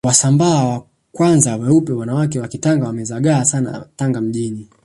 Wasambaa kwanza weupe wanawake wa kitanga wamezagaa Sana Tanga mjini